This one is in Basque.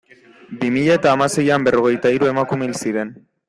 Bi mila eta hamaseian berrogeita hiru emakume hil ziren.